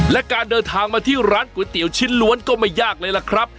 และการเดินทางมาที่ร้านก๋วยเตี๋ยวชิ้นล้วนก็ไม่ยากเลยล่ะครับ